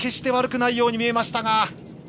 悪くないように見えましたが。